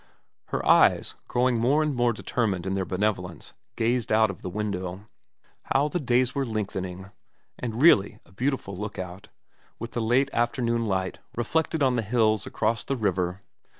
Her eyes, growing more and more determined in their benevolence, gazed out of the window. How the days were lengthening. And really a beautiful look out, with the late afternoon light reflected on the hills across the river.